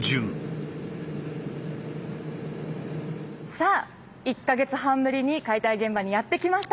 さあ１か月半ぶりに解体現場にやって来ました。